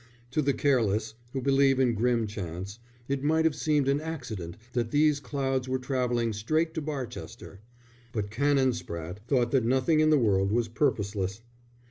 To the careless, who believe in grim chance, it might have seemed an accident that these clouds were travelling straight to Barchester; but Canon Spratte thought that nothing in the world was purposeless.